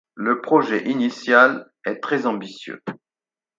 Le projet initial est très ambitieux.